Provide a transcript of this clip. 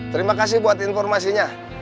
terima kasih buat informasinya